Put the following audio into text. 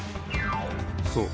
そう。